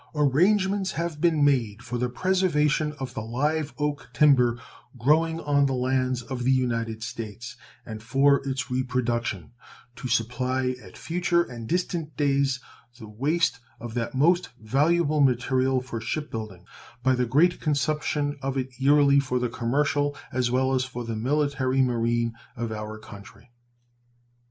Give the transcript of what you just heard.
Arrangements have been made for the preservation of the live oak timber growing on the lands of the United States, and for its reproduction, to supply at future and distant days the waste of that most valuable material for ship building by the great consumption of it yearly for the commercial as well as for the military marine of our country.